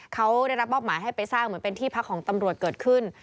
เขาได้รับมอบหมายให้ไปสร้างเหมือนเป็นที่พักของตำรวจเกิดขึ้น